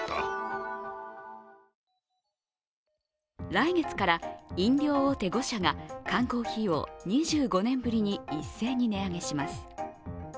来月から飲料大手５社が缶コーヒーを２５年ぶりに一斉に値上げします。